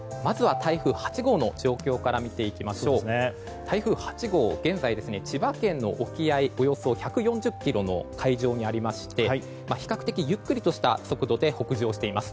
台風８号現在、千葉県の沖合およそ１４０ｋｍの海上にありまして比較的ゆっくりした速度で北上しています。